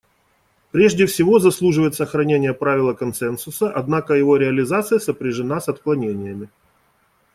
Прежде всего заслуживает сохранения правило консенсуса, однако его реализация сопряжена с отклонениями.